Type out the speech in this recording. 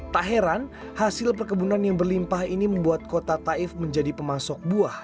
tak heran hasil perkebunan yang berlimpah ini membuat kota taif menjadi pemasok buah